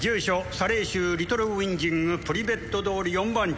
サレー州リトル・ウィンジングプリベット通り４番地